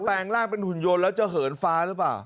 แปลงร่างเป็นหุ่นยนต์แล้วจะเหินฟ้าหรือเปล่า